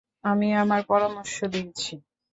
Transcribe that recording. আমি আমার পরামর্শ দিয়েছি।